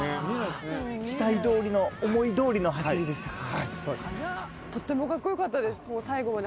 期待通りの思い通りの走りでしたか。